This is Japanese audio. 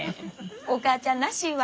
お母ちゃんらしいわ。